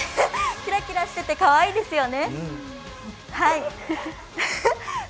キラキラしててかわいいですよね。